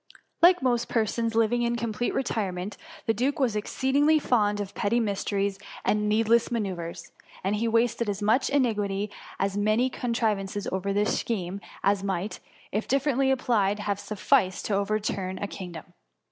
Like most persons living in complete retire ment, the duke was exceedingly fond of petty mysteries and needless manoeuvres, and he wasted as much ingenuity and as many con trivances over this scheme, as might, if differ ently applied, have sufficed to overturn a kingdom.